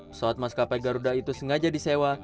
pesawat maskapai garuda itu sengaja disewa